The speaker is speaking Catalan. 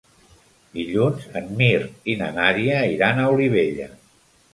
Dilluns en Mirt i na Nàdia iran a Olivella.